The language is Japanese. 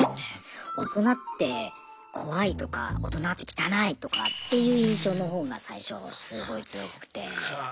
大人って怖いとか大人って汚いとかっていう印象の方が最初すごい強くて。か。